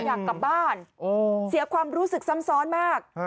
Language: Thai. อยากกลับบ้านเสียความรู้สึกซ้ำซ้อนมาก